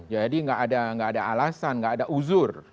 jadi gak ada alasan gak ada uzur